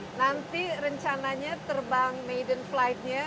nanti rencananya terbang maiden flight nya